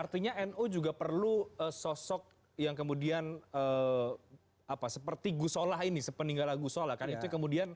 artinya nu juga perlu sosok yang kemudian seperti ghosnola ini sepeninggalan ghosnola kan itu kemudian